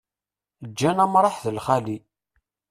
Ǧǧan amṛaḥ d lxali.